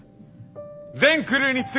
全クルーに告ぐ！